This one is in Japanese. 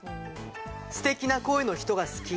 「すてきな声の人が好き」。